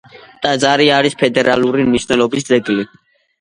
ტაძარი არის ფედერალური მნიშვნელობის ძეგლი.